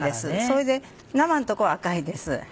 それで生の所は赤いです。